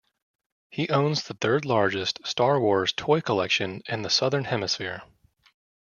He owns the third largest Star Wars toy collection in the southern hemisphere.